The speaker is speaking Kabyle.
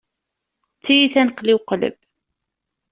D tiyita n qli u qleb.